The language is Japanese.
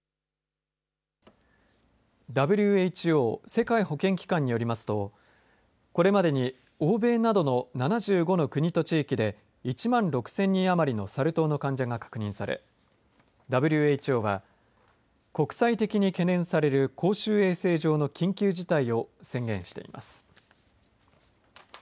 ＷＨＯ世界保健機関によりますとこれまでに欧米などの７５の国と地域で１万６０００人余りのサル痘の患者が確認されＷＨＯは国際的に懸念される公衆衛生上の緊急事態を宣言しています。